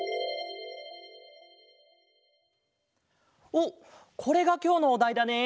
おっこれがきょうのおだいだね？